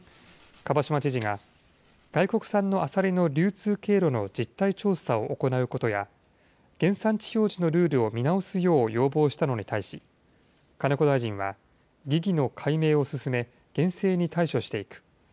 蒲島知事が、外国産のアサリの流通経路の実態調査を行うことや、原産地表示のルールを見直すよう要望したのに対し、金子大臣は、疑義の解明を進め、厳正に対処していく。